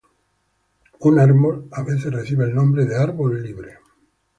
Un árbol a veces recibe el nombre de "árbol libre".